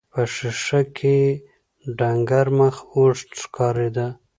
په ښيښه کې يې ډنګر مخ اوږد ښکارېده.